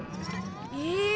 え。